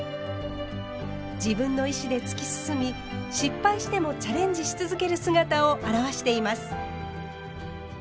自分の意志で突き進み失敗してもチャレンジし続ける姿を表しています。